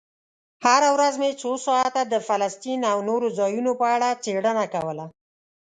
هره ورځ مې څو ساعته د فلسطین او نورو ځایونو په اړه څېړنه کوله.